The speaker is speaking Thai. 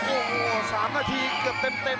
โอ้โห๓นาทีเกือบเต็ม